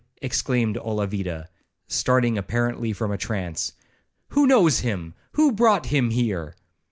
exclaimed Olavida, starting apparently from a trance, 'who knows him? who brought him here?'